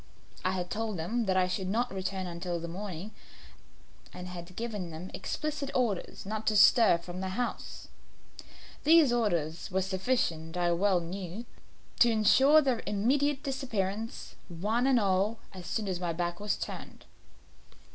I had told them that I should not return until the morning, and had given them explicit orders not to stir from the house. These orders were sufficient, I well knew, to insure their immediate disappearance, one and all, as soon as my back was turned.